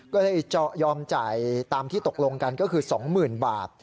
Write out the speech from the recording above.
ก็เลยยอมจ่ายตามที่ตกลงกันก็คือ๒๐๐๐บาท